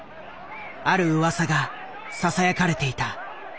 ある噂がささやかれていた。